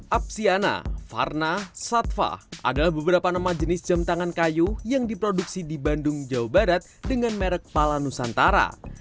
apsiana farna satva adalah beberapa nama jenis jam tangan kayu yang diproduksi di bandung jawa barat dengan merek pala nusantara